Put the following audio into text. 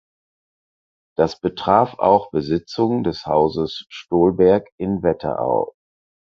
Das betraf auch Besitzungen des Hauses Stolberg in der Wetterau.